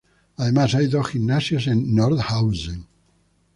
Además, hay dos gimnasios en Nordhausen.